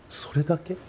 それだけ？